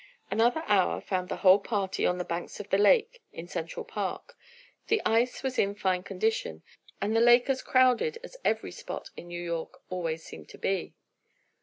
Another hour found the whole party on the banks of the lake in Central Park. The ice was in fine condition, and the lake as crowded as every spot in New York always seemed to be.